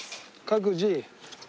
各自。